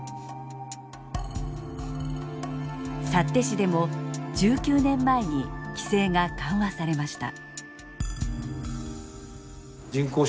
幸手市でも１９年前に規制が緩和されました。